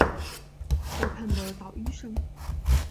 河畔的捣衣声